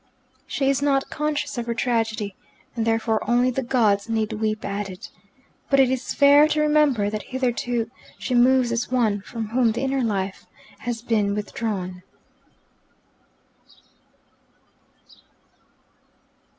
She is not conscious of her tragedy, and therefore only the gods need weep at it. But it is fair to remember that hitherto she moves as one from whom the inner life has been withdrawn.